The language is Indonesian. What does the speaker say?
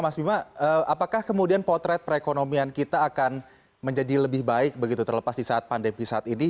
mas bima apakah kemudian potret perekonomian kita akan menjadi lebih baik begitu terlepas di saat pandemi saat ini